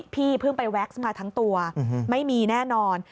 พี่เพิ่งไปแก๊กซ์มาทั้งตัวไม่มีแน่นอน